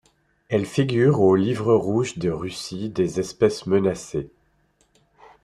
Elle figure au livre rouge de Russie des espèces menacées.